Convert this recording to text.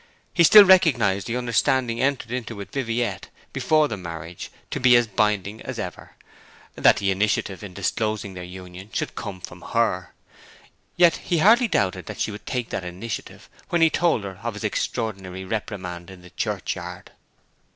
He still recognized the understanding entered into with Viviette, before the marriage, to be as binding as ever, that the initiative in disclosing their union should come from her. Yet he hardly doubted that she would take that initiative when he told her of his extraordinary reprimand in the churchyard.